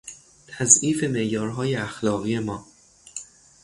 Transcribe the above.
تضعیف معیارهای اخلاقی ما